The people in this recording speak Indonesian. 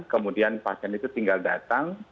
kemudian pasien itu tinggal datang